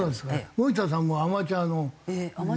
森田さんもアマチュアの四段とか。